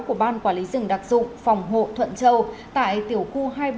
của ban quản lý rừng đặc dụng phòng hộ thuận châu tại tiểu khu hai mươi ba